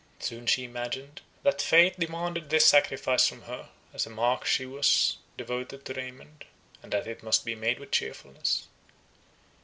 Soon she imagined, that fate demanded this sacrifice from her, as a mark she was devoted to Raymond, and that it must be made with cheerfulness.